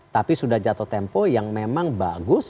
tapi sudah jatuh tempo yang memang bagus